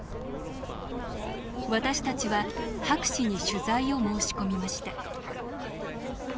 私たちは博士に取材を申し込みました。